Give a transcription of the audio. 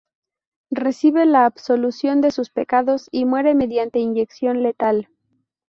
Recibe la absolución de sus pecados y muere mediante inyección letal.